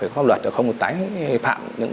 không thể tái vi phạm